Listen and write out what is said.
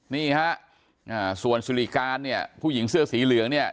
นี่ฮะส่วนสุริการเนี่ยผู้หญิงเสื้อสีเหลืองเนี่ย